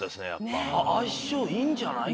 相性いいんじゃない？